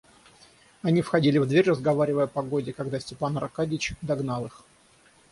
Они входили в дверь, разговаривая о погоде, когда Степан Аркадьич догнал их.